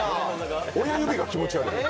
親指が気持ち悪い。